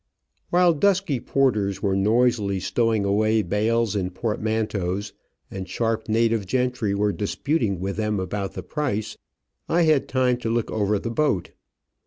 While dusky porters were noisily stow ing away bales and portmanteaus, and sharp native gentry were disputing with them about the price, I had time to look over the boat.